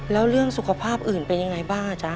แล้วเรื่องสุขภาพอื่นเป็นยังไงบ้างอาจารย์